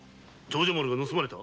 「長者丸」が盗まれた？